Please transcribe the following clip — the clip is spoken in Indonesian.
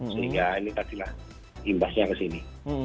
sehingga ini tadilah imbasnya kesini